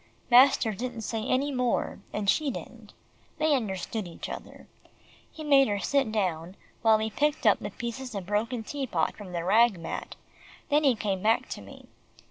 Master didn't say any more, and she didn't. They understood each other. He made her sit down, while he picked up the pieces of broken tea pot from the rag mat, then he came back to me.